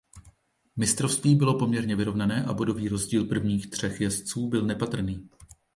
Mistrovství bylo poměrně vyrovnané a bodový rozdíl prvních třech jezdců byl nepatrný.